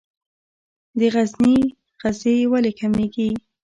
د غزني غزې ولې کمیږي؟